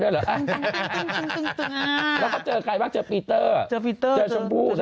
เจอชมพู้